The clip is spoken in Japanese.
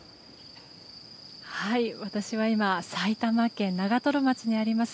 私は今埼玉県長瀞町にあります